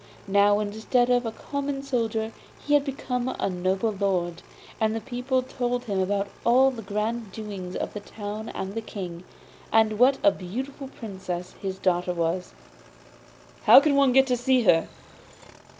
Now, instead of a common soldier he had become a noble lord, and the people told him about all the grand doings of the town and the King, and what a beautiful Princess his daughter was. 'How can one get to see her?